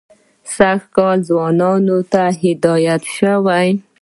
سږ کال ځوانانو ته هدایت شوی.